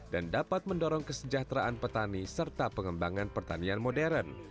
dan dapat mendorong kesejahteraan petani serta pengembangan pertanian modern